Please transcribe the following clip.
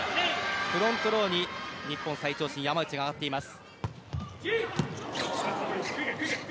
フロントローに日本最長身山内が上がっています。